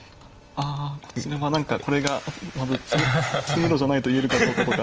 あこちらは何かこれが詰めろじゃないと言えるかどうかとか。